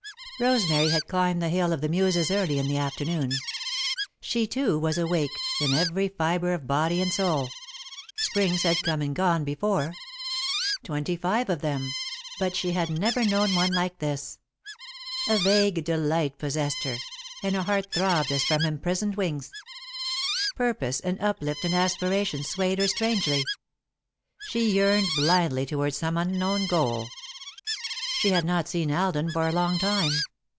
Rosemary had climbed the Hill of the Muses early in the afternoon. She, too, was awake, in every fibre of body and soul. Springs had come and gone before twenty five of them but she had never known one like this. A vague delight possessed her, and her heart throbbed as from imprisoned wings. Purpose and uplift and aspiration swayed her strangely; she yearned blindly toward some unknown goal. [Sidenote: The Family Religion] She had not seen Alden for a long time.